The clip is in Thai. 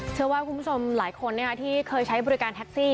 เชื่อว่าคุณผู้ชมหลายคนที่เคยใช้บริการแท็กซี่